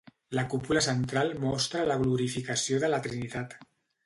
La cúpula central mostra la glorificació de la Trinitat.